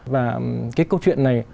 và cái câu chuyện này